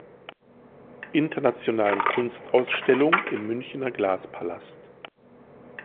Internationalen Kunstausstellung“ im Münchner Glaspalast.